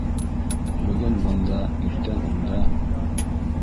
Бөгөн бында, иртән унда